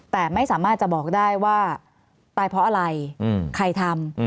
แต่ไม่สามารถจะบอกได้ว่าตายเพราะอะไรใครทำ